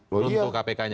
runtuh kpk nya maksudnya